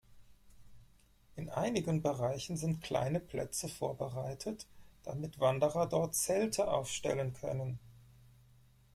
In einigen Bereichen sind kleine Plätze vorbereitet, damit Wanderer dort Zelte aufstellen können.